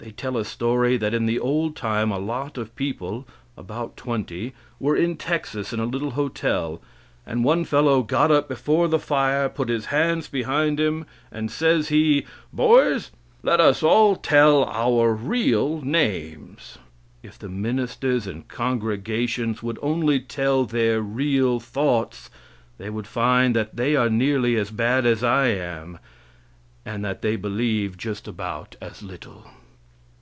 They tell a story that in the old time a lot of people, about twenty, were in Texas in a little hotel, and one fellow got up before the fire, put his hands behind him, and says he: "Boys, let us all tell our real names." If the ministers and the congregations would only tell their real thoughts they would find that they are nearly as bad as I am, and that they believe just about as little.